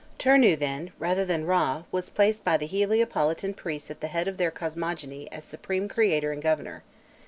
Tûrnû then, rather than Râ, was placed by the Heliopolitan priests at the head of their cosmogony as supreme creator and governor.